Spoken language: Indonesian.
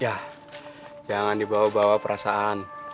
ya jangan dibawa bawa perasaan